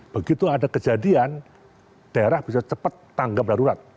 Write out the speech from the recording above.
begitu ada kejadian daerah bisa cepat tanggap darurat